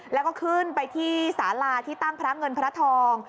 แล้วก็ขึ้นไปที่สาลาที่ตั้งพระเงินพระทอง